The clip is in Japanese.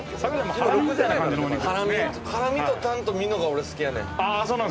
ハラミとタンとミノが俺好きやねん。